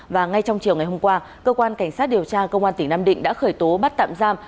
và ngay trong chiều ngày hôm qua cơ quan cảnh sát điều tra công an tỉnh nam định đã khởi tố bắt tạm giam